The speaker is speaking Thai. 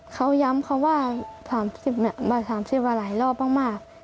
เขาย้ำเขาว่า๓๐บาท๓๐บาทหลายรอบมาก